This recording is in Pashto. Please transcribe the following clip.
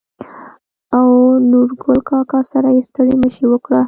او نورګل کاکا سره يې ستړي مشې وکړه.